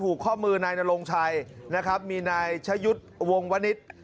ผูกข้อมือนาลงชัยนะครับมีนายชะยุดวงวนิตย์